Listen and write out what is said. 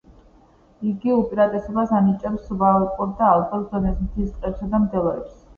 იგი უპირატესობას ანიჭებს სუბალპურ და ალპურ ზონებს, მთის ტყეებსა და მდელოებს.